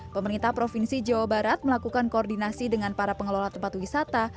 pemerintah provinsi jawa barat melakukan koordinasi dengan para pengelola tempat wisata